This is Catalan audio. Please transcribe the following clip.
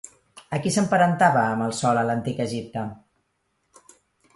A qui s'emparentava amb el Sol a l'Antic Egipte?